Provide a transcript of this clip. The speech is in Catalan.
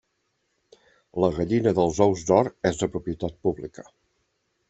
La gallina dels ous d'or és de propietat pública.